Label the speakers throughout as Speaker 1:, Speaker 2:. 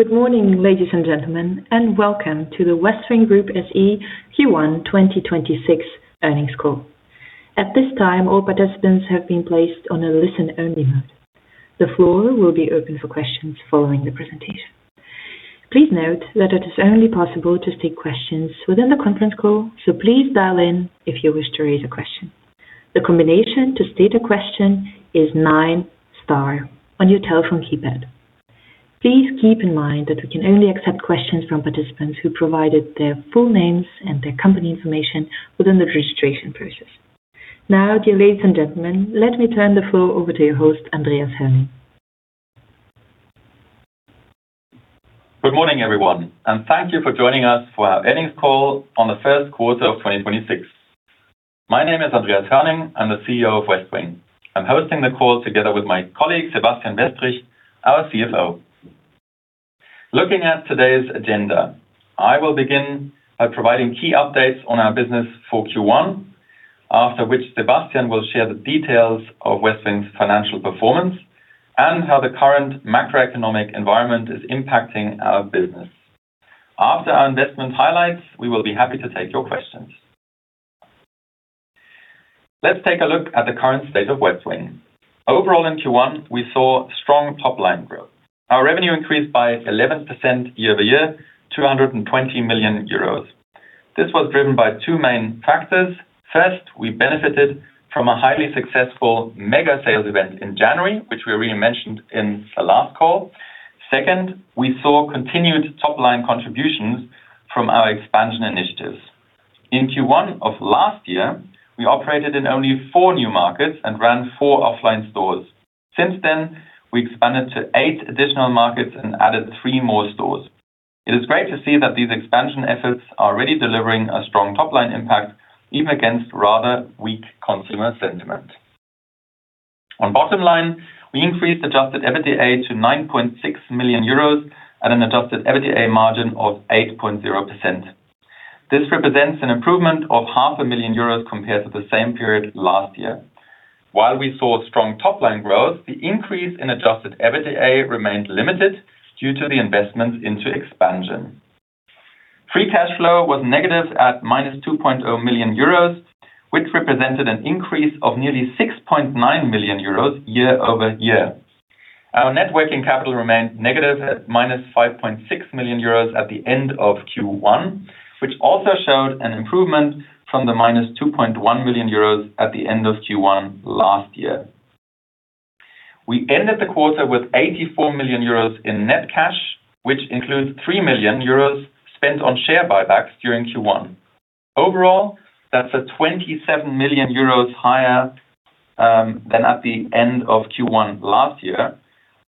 Speaker 1: Good morning, ladies and gentlemen, and welcome to the Westwing Group SE Q1 2026 earnings call. At this time, all participants have been placed on a listen-only mode. The floor will be open for questions following the presentation. Please note that it is only possible to take questions within the conference call, so please dial in if you wish to raise a question. The combination to state a question is 9 star on your telephone keypad. Please keep in mind that we can only accept questions from participants who provided their full names and their company information within the registration process. Now, dear ladies and gentlemen, let me turn the floor over to your host, Andreas Hoerning.
Speaker 2: Good morning, everyone, and thank you for joining us for our earnings call on the first quarter of 2026. My name is Andreas Hoerning. I'm the CEO of Westwing. I'm hosting the call together with my colleague, Sebastian Westrich, our CFO. Looking at today's agenda, I will begin by providing key updates on our business for Q1, after which Sebastian will share the details of Westwing's financial performance and how the current macroeconomic environment is impacting our business. After our investment highlights, we will be happy to take your questions. Let's take a look at the current state of Westwing. Overall, in Q1, we saw strong top-line growth. Our revenue increased by 11% year-over-year, 220 million euros. This was driven by two main factors. First, we benefited from a highly successful mega sales event in January, which we already mentioned in the last call. Second, we saw continued top-line contributions from our expansion initiatives. In Q1 of last year, we operated in only four new markets and ran four offline stores. Since then, we expanded to eight additional markets and added three more stores. It is great to see that these expansion efforts are already delivering a strong top-line impact, even against rather weak consumer sentiment. On bottom line, we increased adjusted EBITDA to 9.6 million euros at an adjusted EBITDA margin of 8.0%. This represents an improvement of half a million EUR compared to the same period last year. While we saw strong top-line growth, the increase in adjusted EBITDA remained limited due to the investments into expansion. Free cash flow was negative at minus 2.0 million euros, which represented an increase of nearly 6.9 million euros year-over-year. Our net working capital remained negative at minus 5.6 million euros at the end of Q1, which also showed an improvement from the minus 2.1 million euros at the end of Q1 last year. We ended the quarter with 84 million euros in net cash, which includes 3 million euros spent on share buybacks during Q1. Overall, that's a 27 million euros higher than at the end of Q1 last year,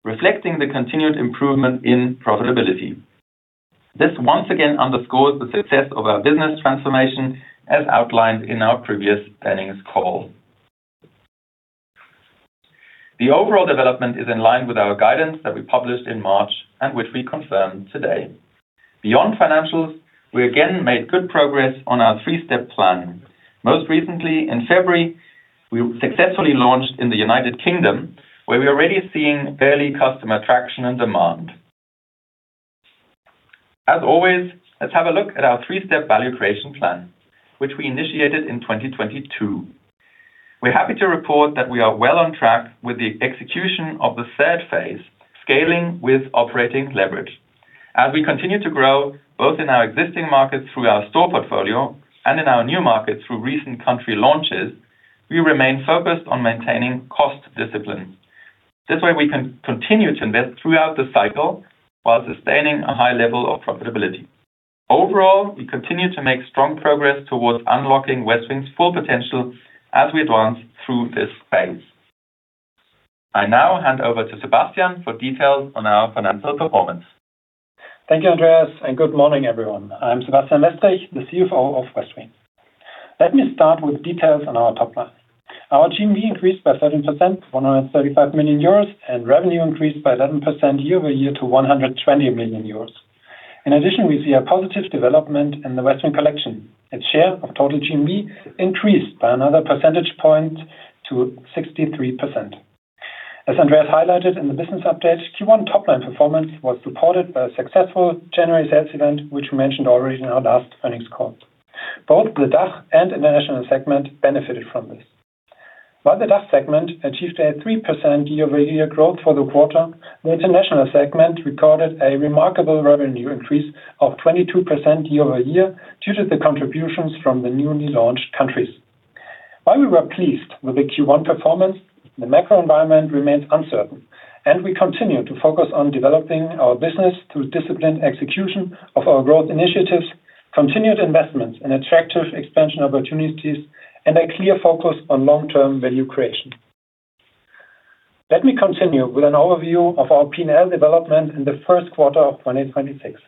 Speaker 2: reflecting the continued improvement in profitability. This once again underscores the success of our business transformation as outlined in our previous earnings call. The overall development is in line with our guidance that we published in March and which we confirm today. Beyond financials, we again made good progress on our three-step plan. Most recently, in February, we successfully launched in the U.K., where we are already seeing early customer traction and demand. As always, let's have a look at our three-step value creation plan, which we initiated in 2022. We're happy to report that we are well on track with the execution of the third phase, scaling with operating leverage. As we continue to grow, both in our existing markets through our store portfolio and in our new markets through recent country launches, we remain focused on maintaining cost discipline. This way, we can continue to invest throughout the cycle while sustaining a high level of profitability. Overall, we continue to make strong progress towards unlocking Westwing's full potential as we advance through this phase. I now hand over to Sebastian for details on our financial performance.
Speaker 3: Thank you, Andreas. Good morning, everyone. I'm Sebastian Westrich, the CFO of Westwing. Let me start with details on our top line. Our GMV increased by 13% to 135 million euros. Revenue increased by 11% year-over-year to 120 million euros. In addition, we see a positive development in the Westwing Collection. Its share of total GMV increased by another percentage point to 63%. Andreas highlighted in the business update, Q1 top-line performance was supported by a successful January sales event, which we mentioned already in our last earnings call. Both the DACH and international segment benefited from this. The DACH segment achieved a 3% year-over-year growth for the quarter. The international segment recorded a remarkable revenue increase of 22% year-over-year due to the contributions from the newly launched countries. While we were pleased with the Q1 performance, the macro environment remains uncertain, and we continue to focus on developing our business through disciplined execution of our growth initiatives, continued investments in attractive expansion opportunities, and a clear focus on long-term value creation. Let me continue with an overview of our P&L development in the first quarter of 2026.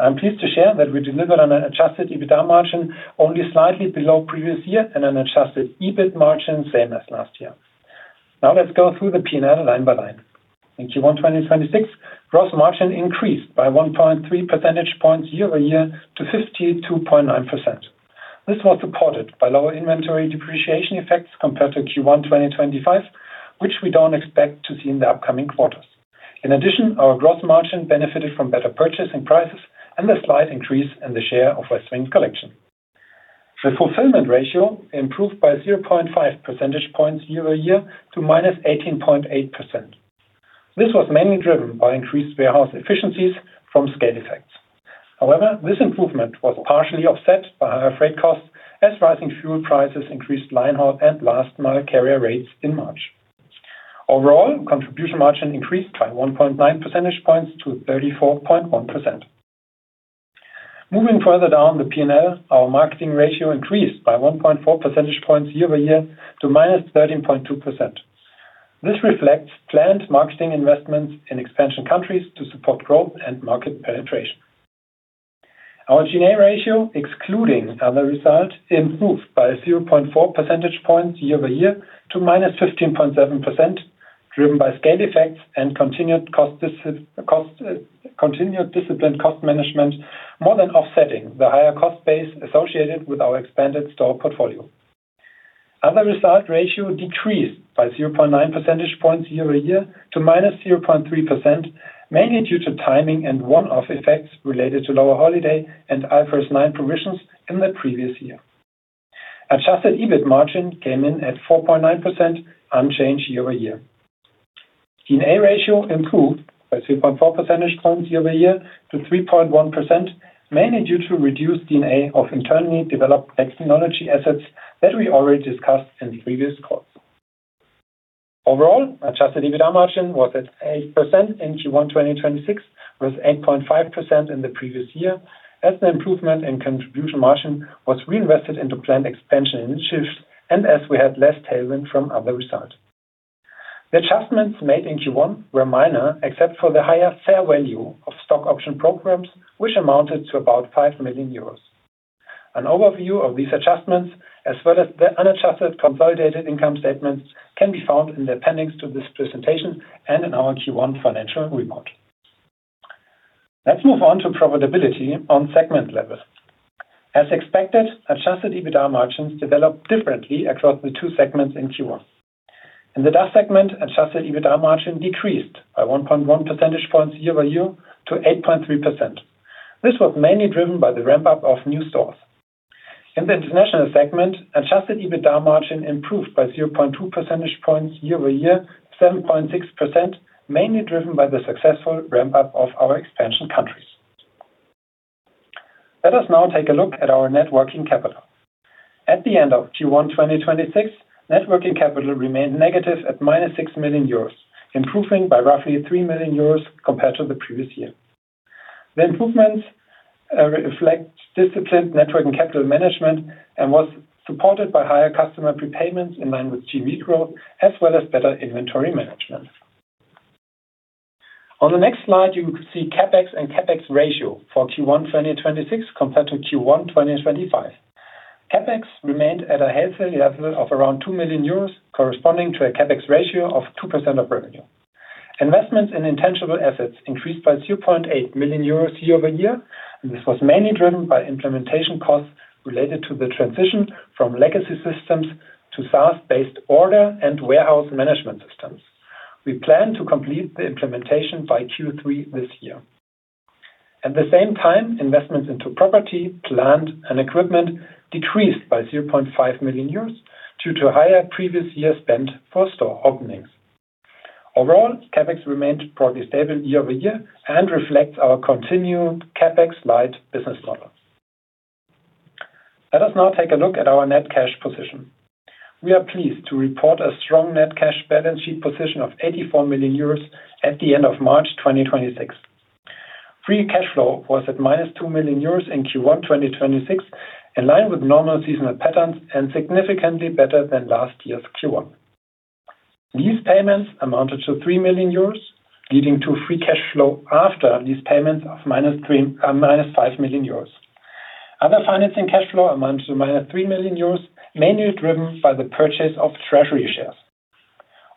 Speaker 3: I am pleased to share that we delivered an adjusted EBITDA margin only slightly below previous year and an adjusted EBIT margin same as last year. Let's go through the P&L line by line. In Q1 2026, gross margin increased by 1.3 percentage points year-over-year to 52.9%. This was supported by lower inventory depreciation effects compared to Q1 2025, which we don't expect to see in the upcoming quarters. In addition, our contribution margin benefited from better purchasing prices and a slight increase in the share of Westwing Collection. The fulfillment ratio improved by 0.5 percentage points year-over-year to minus 18.8%. This was mainly driven by increased warehouse efficiencies from scale effects. This improvement was partially offset by higher freight costs as rising fuel prices increased line haul and last mile carrier rates in March. Contribution margin increased by 1.9 percentage points to 34.1%. Moving further down the P&L, our marketing ratio increased by 1.4 percentage points year-over-year to minus 13.2%. This reflects planned marketing investments in expansion countries to support growth and market penetration. Our G&A ratio, excluding other results, improved by 0.4 percentage points year-over-year to minus 15.7%, driven by scale effects and continued disciplined cost management more than offsetting the higher cost base associated with our expanded store portfolio. Other result ratio decreased by 0.9 percentage points year-over-year to minus 0.3%, mainly due to timing and one-off effects related to lower holiday and IFRS 9 provisions in the previous year. Adjusted EBIT margin came in at 4.9% unchanged year-over-year. D&A ratio improved by 0.4 percentage points year-over-year to 3.1%, mainly due to reduced D&A of internally developed technology assets that we already discussed in previous calls. Overall, adjusted EBITDA margin was at 8% in Q1 2026, with 8.5% in the previous year as the improvement in contribution margin was reinvested into planned expansion initiatives and as we had less tailwind from other results. The adjustments made in Q1 were minor, except for the higher fair value of stock option programs, which amounted to about 5 million euros. An overview of these adjustments, as well as the unadjusted consolidated income statements, can be found in the appendix to this presentation and in our Q1 financial report. Let's move on to profitability on segment levels. As expected, adjusted EBITDA margins developed differently across the two segments in Q1. In the DACH segment, adjusted EBITDA margin decreased by 1.1 percentage points year-over-year to 8.3%. This was mainly driven by the ramp-up of new stores. In the international segment, adjusted EBITDA margin improved by 0.2 percentage points year-over-year, 7.6%, mainly driven by the successful ramp-up of our expansion countries. Let us now take a look at our net working capital. At the end of Q1 2026, net working capital remained negative at minus 6 million euros, improving by roughly 3 million euros compared to the previous year. The improvements reflect disciplined net working capital management and was supported by higher customer prepayments in line with GMV growth, as well as better inventory management. On the next slide, you see CapEx and CapEx ratio for Q1 2026 compared to Q1 2025. CapEx remained at a healthy level of around 2 million euros, corresponding to a CapEx ratio of 2% of revenue. Investments in intangible assets increased by 0.8 million euros year-over-year, this was mainly driven by implementation costs related to the transition from legacy systems to SaaS-based order and warehouse management systems. We plan to complete the implementation by Q3 this year. At the same time, investments into property, plant, and equipment decreased by 0.5 million euros due to higher previous year spend for store openings. Overall, CapEx remained broadly stable year-over-year and reflects our continued CapEx light business model. Let us now take a look at our net cash position. We are pleased to report a strong net cash balance sheet position of 84 million euros at the end of March 2026. Free cash flow was at minus 2 million euros in Q1 2026, in line with normal seasonal patterns and significantly better than last year's Q1. Lease payments amounted to 3 million euros, leading to free cash flow after these payments of minus 5 million euros. Other financing cash flow amounted to minus 3 million euros, mainly driven by the purchase of treasury shares.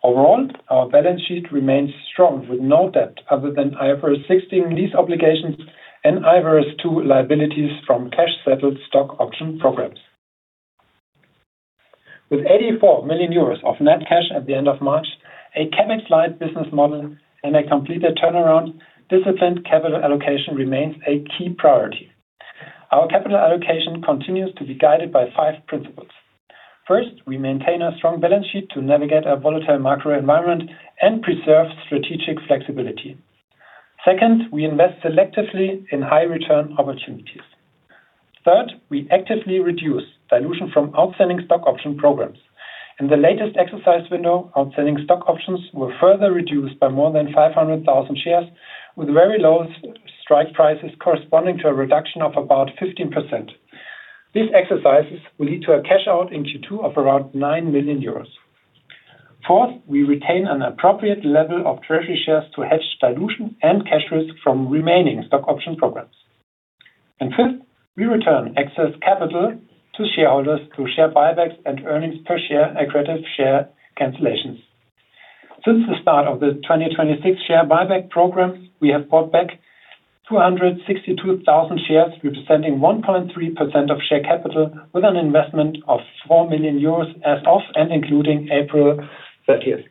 Speaker 3: Overall, our balance sheet remains strong with no debt other than IFRS 16 lease obligations and IFRS 2 liabilities from cash settled stock option programs. With 84 million euros of net cash at the end of March, a CapEx light business model and a completed turnaround, disciplined capital allocation remains a key priority. Our capital allocation continues to be guided by five principles. First, we maintain a strong balance sheet to navigate our volatile macro environment and preserve strategic flexibility. Second, we invest selectively in high return opportunities. Third, we actively reduce dilution from outstanding stock option programs. In the latest exercise window, outstanding stock options were further reduced by more than 500,000 shares with very low strike prices corresponding to a reduction of about 15%. These exercises will lead to a cash out in Q2 of around 9 million euros. Fourth, we retain an appropriate level of treasury shares to hedge dilution and cash risk from remaining stock option programs. Fifth, we return excess capital to shareholders through share buybacks and earnings per share accretive share cancellations. Since the start of the 2026 share buyback program, we have bought back 262,000 shares representing 1.3% of share capital with an investment of 4 million euros as of and including April 30th.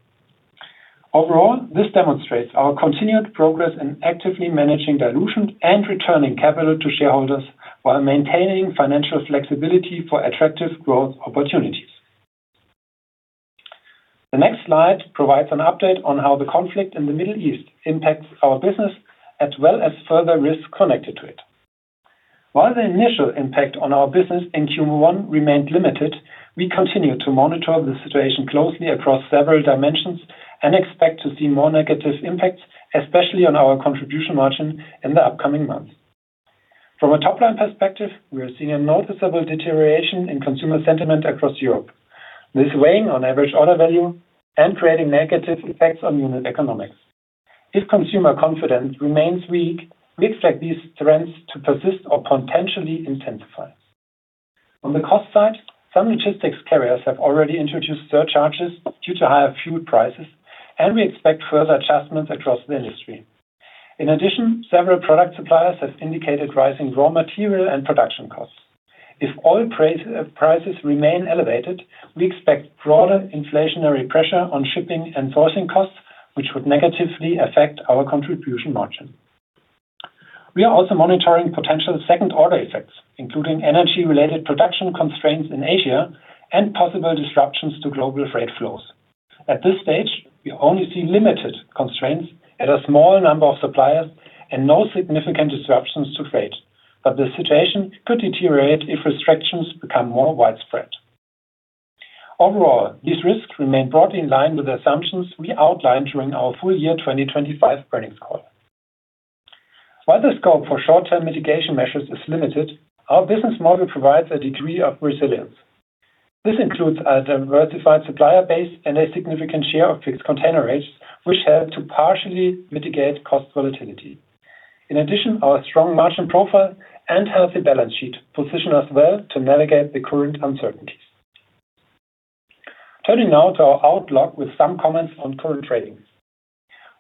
Speaker 3: Overall, this demonstrates our continued progress in actively managing dilution and returning capital to shareholders while maintaining financial flexibility for attractive growth opportunities. The next slide provides an update on how the conflict in the Middle East impacts our business as well as further risks connected to it. While the initial impact on our business in Q1 remained limited, we continue to monitor the situation closely across several dimensions and expect to see more negative impacts, especially on our contribution margin in the upcoming months. From a top-line perspective, we are seeing a noticeable deterioration in consumer sentiment across Europe. This is weighing on average order value and creating negative effects on unit economics. If consumer confidence remains weak, we expect these trends to persist or potentially intensify. On the cost side, some logistics carriers have already introduced surcharges due to higher fuel prices, and we expect further adjustments across the industry. In addition, several product suppliers have indicated rising raw material and production costs. If oil prices remain elevated, we expect broader inflationary pressure on shipping and sourcing costs, which would negatively affect our contribution margin. We are also monitoring potential second-order effects, including energy-related production constraints in Asia and possible disruptions to global freight flows. At this stage, we only see limited constraints at a small number of suppliers and no significant disruptions to freight. The situation could deteriorate if restrictions become more widespread. Overall, these risks remain broadly in line with the assumptions we outlined during our full year 2025 earnings call. While the scope for short-term mitigation measures is limited, our business model provides a degree of resilience. This includes a diversified supplier base and a significant share of fixed container rates, which help to partially mitigate cost volatility. In addition, our strong margin profile and healthy balance sheet position us well to navigate the current uncertainties. Turning now to our outlook with some comments on current trading.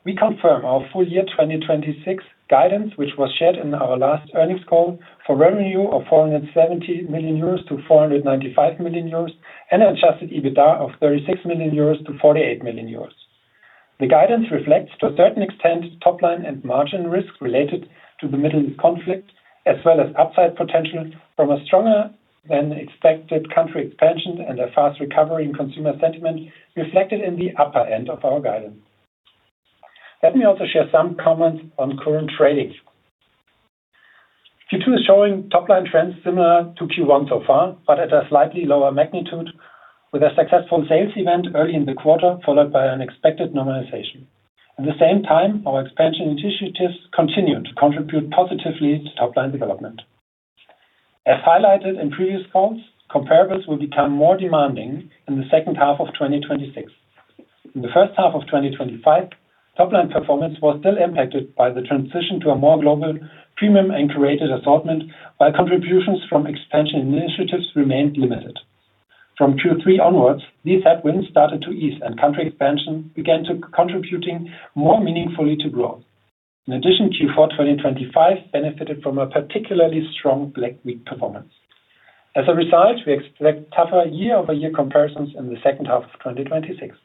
Speaker 3: We confirm our full year 2026 guidance, which was shared in our last earnings call for revenue of 470 million-495 million euros and adjusted EBITDA of 36 million-48 million euros. The guidance reflects to a certain extent top line and margin risks related to the Middle East conflict, as well as upside potential from a stronger than expected country expansion and a fast recovery in consumer sentiment reflected in the upper end of our guidance. Let me also share some comments on current tradings. Q2 is showing top line trends similar to Q1 so far, but at a slightly lower magnitude with a successful sales event early in the quarter, followed by an expected normalization. At the same time, our expansion initiatives continue to contribute positively to top line development. As highlighted in previous calls, comparables will become more demanding in the second half of 2026. In the first half of 2025, top line performance was still impacted by the transition to a more global premium and curated assortment, while contributions from expansion initiatives remained limited. From Q3 onwards, these headwinds started to ease and country expansion began to contribute more meaningfully to growth. In addition, Q4 2025 benefited from a particularly strong Black Week performance. As a result, we expect tougher year-over-year comparisons in the second half of 2026.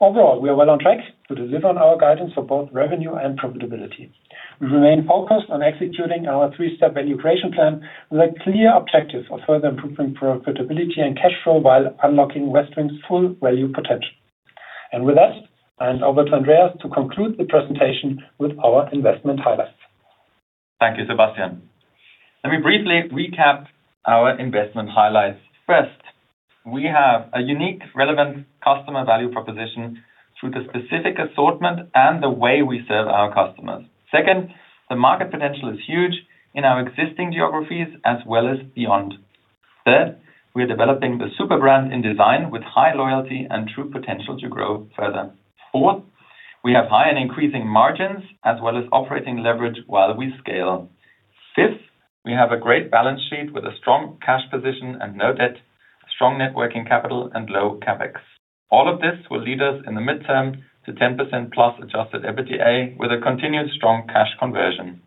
Speaker 3: Overall, we are well on track to deliver on our guidance for both revenue and profitability. We remain focused on executing our three-step value creation plan with a clear objective of further improvement for profitability and cash flow while unlocking Westwing's full value potential. With that, I hand over to Andreas to conclude the presentation with our investment highlights.
Speaker 2: Thank you, Sebastian. Let me briefly recap our investment highlights. First, we have a unique relevant customer value proposition through the specific assortment and the way we serve our customers. Second, the market potential is huge in our existing geographies as well as beyond. Third, we are developing the super brand in design with high loyalty and true potential to grow further. Fourth, we have high and increasing margins as well as operating leverage while we scale. Fifth, we have a great balance sheet with a strong cash position and no debt, strong net working capital, and low CapEx. All of this will lead us in the midterm to 10%+ adjusted EBITDA with a continued strong cash conversion.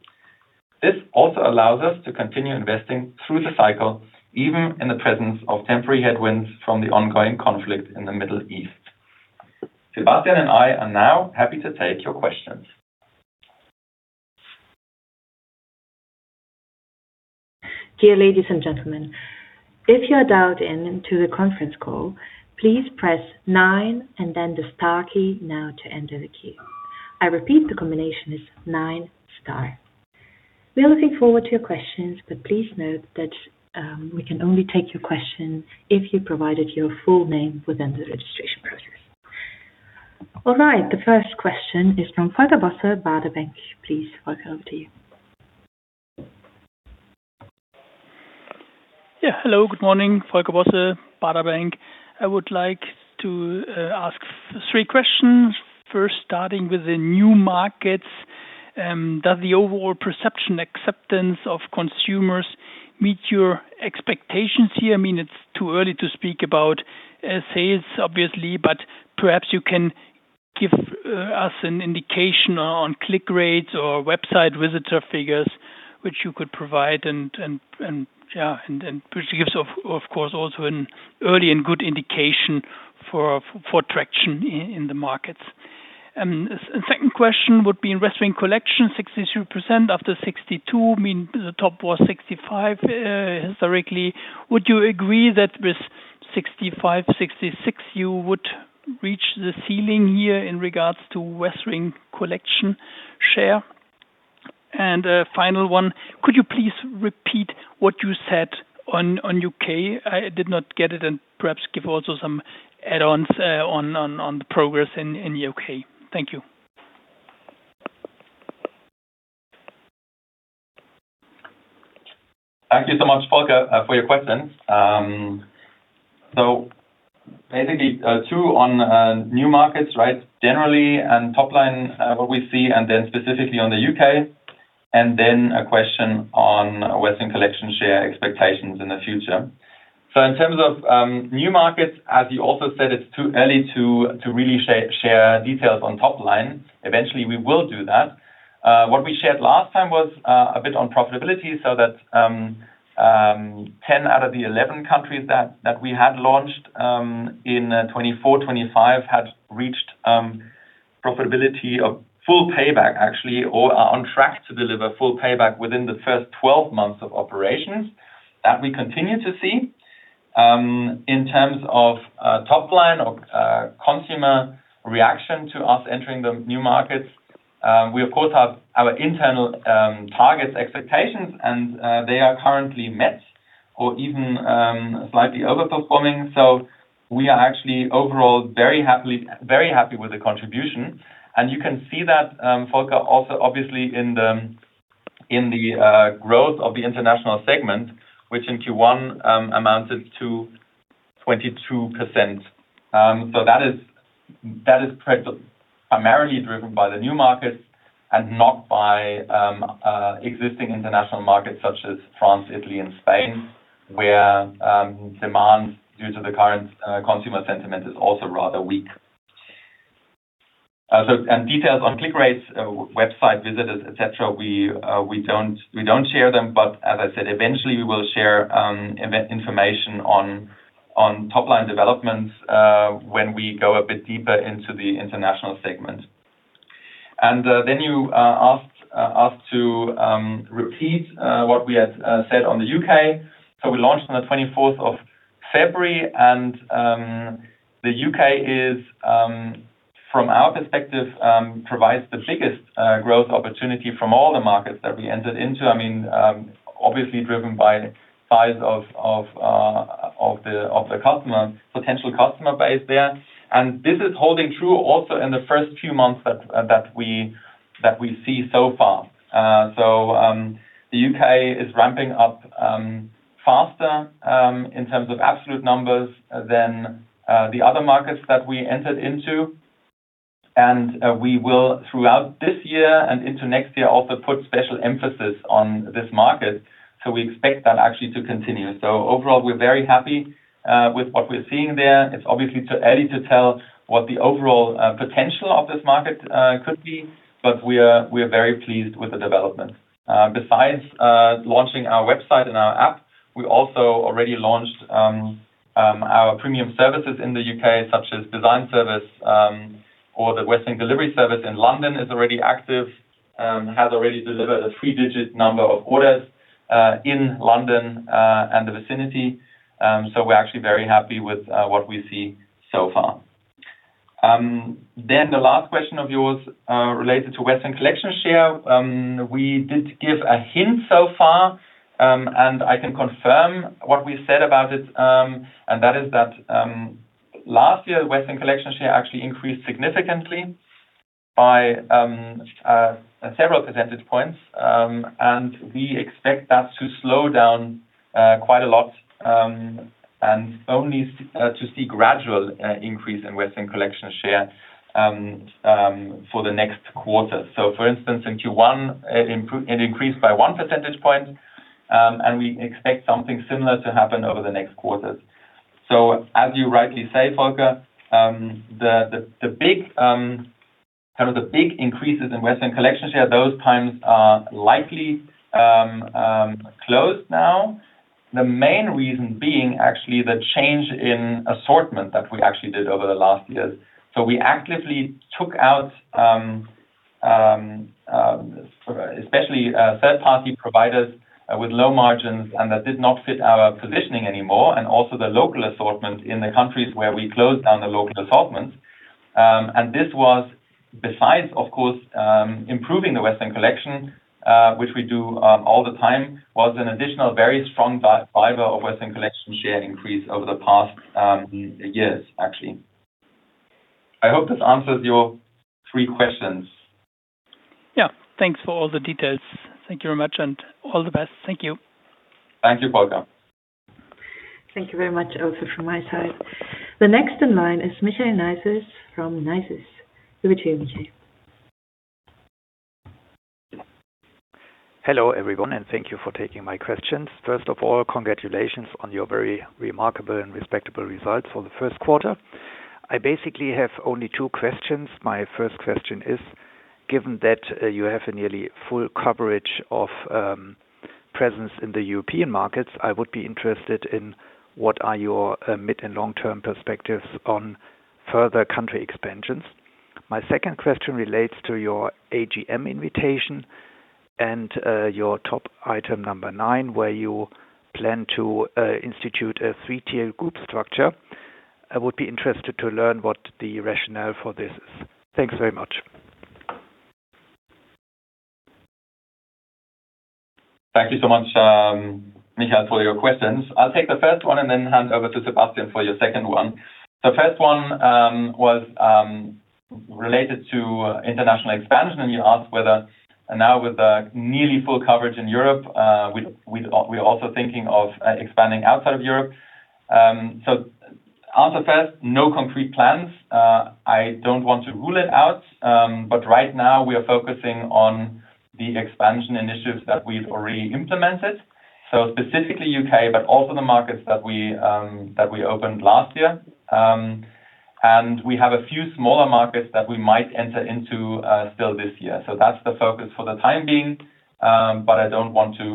Speaker 2: This also allows us to continue investing through the cycle, even in the presence of temporary headwinds from the ongoing conflict in the Middle East. Sebastian and I are now happy to take your questions.
Speaker 1: We are looking forward to your questions. Please note that we can only take your question if you provided your full name within the registration process. All right. The first question is from Volker Bosse, Baader Bank. Please, Volker, over to you.
Speaker 4: Yeah. Hello, good morning, Volker Bosse, Baader Bank. I would like to ask three questions. First, starting with the new markets. Does the overall perception acceptance of consumers meet your expectations here? I mean, it's too early to speak about sales obviously, but perhaps you can give us an indication on click rates or website visitor figures which you could provide and which gives of course also an early and good indication for traction in the markets. Second question would be in Westwing Collection, 62% after 62%, mean the top was 65% historically. Would you agree that with 65%, 66%, you would reach the ceiling here in regards to Westwing Collection share? A final one, could you please repeat what you said on U.K.? I did not get it, perhaps give also some add-ons on the progress in U.K. Thank you.
Speaker 2: Thank you so much, Volker Bosse, for your questions. Basically, two on new markets, right? Generally and top line, what we see and then specifically on the U.K., and then a question on Westwing Collection share expectations in the future. In terms of new markets, as you also said, it's too early to really share details on top line. Eventually, we will do that. What we shared last time was a bit on profitability, so that 10 out of the 11 countries that we had launched in 2024, 2025 had reached profitability of full payback actually, or are on track to deliver full payback within the first 12 months of operations. That we continue to see. In terms of top line or consumer reaction to us entering the new markets, we of course have our internal targets expectations and they are currently met or even slightly over-performing. We are actually overall very happy with the contribution. You can see that, Volker, also obviously in the growth of the international segment, which in Q1 amounted to 22%. That is primarily driven by the new markets and not by existing international markets such as France, Italy, and Spain, where demand due to the current consumer sentiment is also rather weak. Details on click rates, website visitors, et cetera, we don't share them. As I said, eventually we will share information on top line developments when we go a bit deeper into the international segment. Then you asked to repeat what we had said on the U.K. We launched on the 24th of February, the U.K. is from our perspective provides the biggest growth opportunity from all the markets that we entered into. I mean, obviously driven by size of the customer, potential customer base there. This is holding true also in the first few months that we see so far. The U.K. is ramping up faster in terms of absolute numbers than the other markets that we entered into. We will, throughout this year and into next year, also put special emphasis on this market. We expect that actually to continue. Overall, we're very happy with what we're seeing there. It's obviously too early to tell what the overall potential of this market could be, but we are very pleased with the development. Besides launching our website and our app, we also already launched our premium services in the U.K., such as Westwing Design Service, or the Westwing Delivery Service in London is already active, has already delivered a three-digit number of orders in London and the vicinity. We're actually very happy with what we see so far. The last question of yours related to Westwing Collection share. We did give a hint so far, and I can confirm what we said about it, and that is that last year, Westwing Collection share actually increased significantly by several percentage points. And we expect that to slow down quite a lot, and only to see gradual increase in Westwing Collection share for the next quarter. For instance, in Q1, it increased by 1 percentage point, and we expect something similar to happen over the next quarters. As you rightly say, Volker, the big kind of the big increases in Westwing Collection share, those times are likely closed now. The main reason being actually the change in assortment that we actually did over the last years. We actively took out especially third-party providers with low margins and that did not fit our positioning anymore, and also the local assortment in the countries where we closed down the local assortment. This was besides, of course, improving the Westwing Collection, which we do all the time, was an additional very strong driver of Westwing Collection share increase over the past years, actually. I hope this answers your three questions.
Speaker 4: Yeah. Thanks for all the details. Thank you very much and all the best. Thank you.
Speaker 2: Thank you, Volker.
Speaker 1: Thank you very much also from my side. The next in line is [Michael Nices] from [Nices]. Over to you, Michael.
Speaker 5: Hello, everyone, and thank you for taking my questions. First of all, congratulations on your very remarkable and respectable results for the first quarter. I basically have only two questions. My first question is, given that you have a nearly full coverage of presence in the European markets, I would be interested in what are your mid and long-term perspectives on further country expansions. My second question relates to your AGM invitation and your top item number nine, where you plan to institute a three-tier group structure. I would be interested to learn what the rationale for this is. Thanks very much.
Speaker 2: Thank you so much, [Michael], for your questions. I'll take the first one and then hand over to Sebastian for your second one. The first one was related to international expansion, and you asked whether now with the nearly full coverage in Europe, we're also thinking of expanding outside of Europe. To answer first, no concrete plans. I don't want to rule it out, but right now we are focusing on the expansion initiatives that we've already implemented, so specifically U.K., but also the markets that we opened last year. We have a few smaller markets that we might enter into still this year. That's the focus for the time being, but I don't want to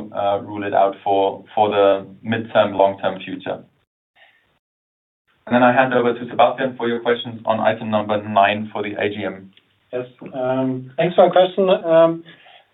Speaker 2: rule it out for the midterm, long-term future. Then I hand over to Sebastian for your questions on item number nine for the AGM.
Speaker 3: Yes. Thanks for your question.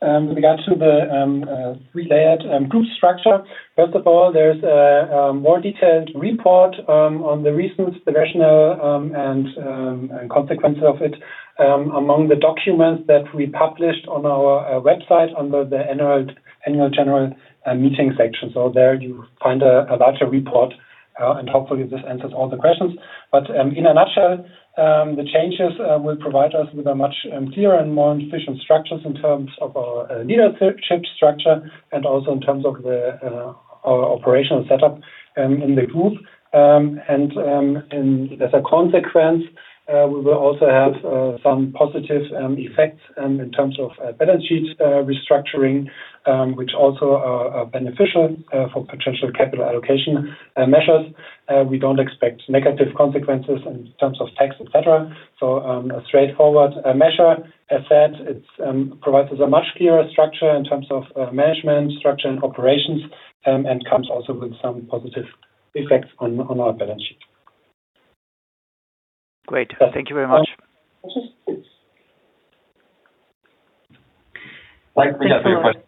Speaker 3: With regard to the three-layered group structure, first of all, there's a more detailed report on the reasons, the rationale, and consequences of it among the documents that we published on our website under the Annual General Meeting section. There you find a larger report and hopefully this answers all the questions. In a nutshell, the changes will provide us with a much clearer and more efficient structures in terms of our leadership structure and also in terms of our operational setup in the group. As a consequence, we will also have some positive effects in terms of balance sheet restructuring, which also are beneficial for potential capital allocation measures. We don't expect negative consequences in terms of tax, et cetera. A straightforward measure. As said, it provides us a much clearer structure in terms of management structure and operations, and comes also with some positive effects on our balance sheet.
Speaker 5: Great. Thank you very much.
Speaker 3: That's it.
Speaker 2: Thank you, [Michael], for your question.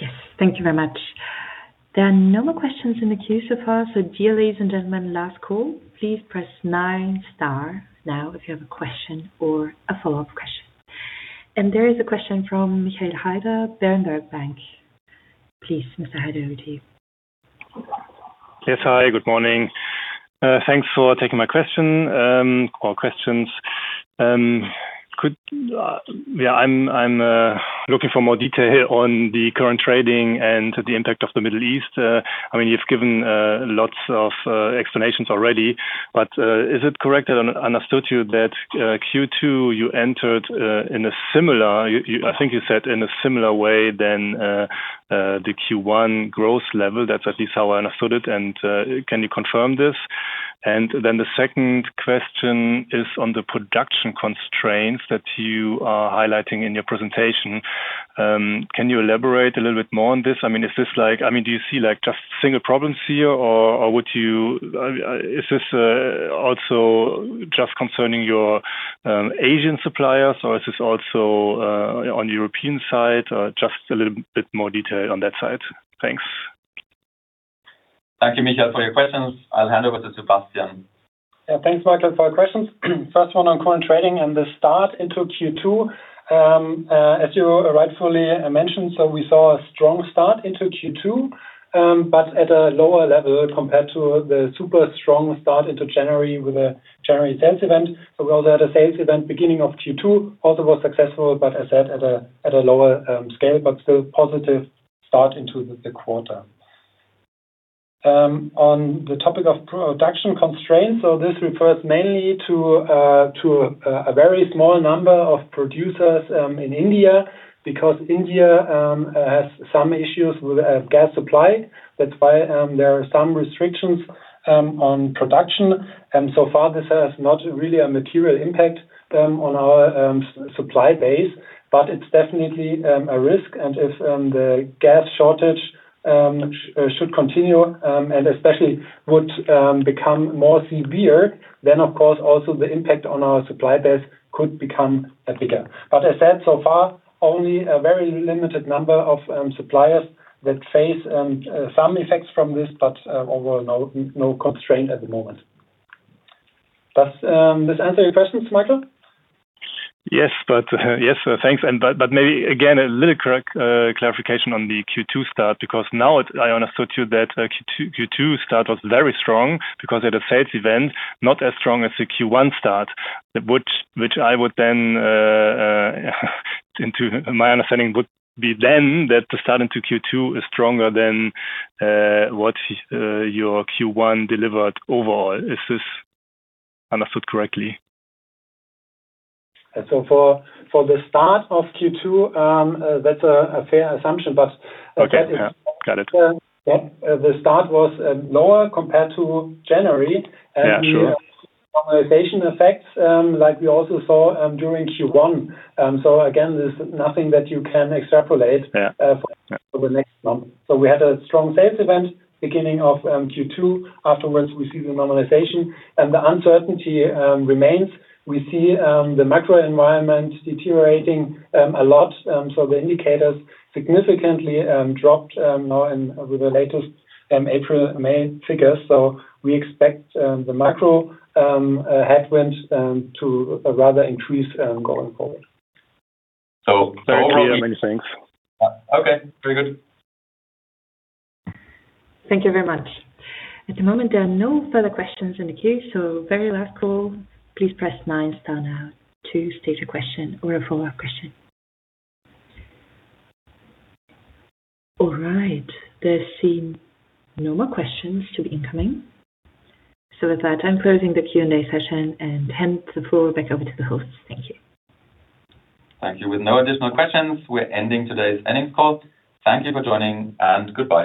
Speaker 1: Yes. Thank you very much. There are no more questions in the queue so far, so dear ladies and gentlemen, last call. Please press nine star now if you have a question or a follow-up question. There is a question from Michael Heider, Berenberg Bank. Please, Mr. Heider, over to you.
Speaker 6: Yes. Hi, good morning. Thanks for taking my question, or questions. I'm looking for more detail on the current trading and the impact of the Middle East. Is it correct I understood you that Q2 you entered in a similar, I think you said in a similar way than the Q1 growth level. That's at least how I understood it. Can you confirm this? The second question is on the production constraints that you are highlighting in your presentation. Can you elaborate a little bit more on this? I mean, is this like I mean, do you see, like, just single problems here or is this also just concerning your Asian suppliers or is this also on European side or just a little bit more detail on that side? Thanks.
Speaker 2: Thank you, Michael, for your questions. I'll hand over to Sebastian.
Speaker 3: Thanks, Michael, for your questions. First one on current trading and the start into Q2. As you rightfully mentioned, so we saw a strong start into Q2, but at a lower level compared to the super strong start into January with a January sales event. Although the sales event beginning of Q2 also was successful, but as said, at a lower scale, but still positive start into the quarter. On the topic of production constraints, so this refers mainly to a very small number of producers in India because India has some issues with gas supply. That's why there are some restrictions on production. So far this has not really a material impact on our supply base, but it's definitely a risk. If the gas shortage should continue and especially would become more severe, then of course also the impact on our supply base could become bigger. As said, so far, only a very limited number of suppliers that face some effects from this, overall no constraint at the moment. Does this answer your questions, Michael?
Speaker 6: Yes, thanks. Maybe again, a little correct clarification on the Q2 start, because now I understood you that Q2 start was very strong because at a sales event, not as strong as the Q1 start. I would then into my understanding would be then that the start into Q2 is stronger than what your Q1 delivered overall. Is this understood correctly?
Speaker 3: For the start of Q2, that's a fair assumption.
Speaker 6: Okay. Yeah. Got it.
Speaker 3: The start was lower compared to January.
Speaker 6: Yeah, sure.
Speaker 3: We have normalization effects, like we also saw during Q1. Again, there's nothing that you can extrapolate.
Speaker 6: Yeah.
Speaker 3: For the next month. We had a strong sales event beginning of Q2. Afterwards, we see the normalization and the uncertainty remains. We see the macro environment deteriorating a lot. The indicators significantly dropped now in with the latest April, May figures. We expect the macro headwinds to rather increase going forward. overall
Speaker 6: Very clear. Many thanks.
Speaker 3: Okay. Very good.
Speaker 1: Thank you very much. At the moment, there are no further questions in the queue, so very last call. Please press nine star now to state a question or a follow-up question. All right. There seem no more questions to be incoming. With that, I'm closing the Q&A session and hand the floor back over to the host. Thank you.
Speaker 2: Thank you. With no additional questions, we're ending today's earnings call. Thank you for joining, and goodbye.